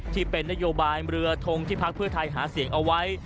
ที่เป็นนโยบายเรือทงที่พักเพื่อไทยหาเสียงเอาไว้